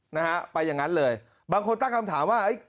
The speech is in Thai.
นะฮะไปอย่างนั้นเลยบางคนตั้งคำถามว่าเอ้ย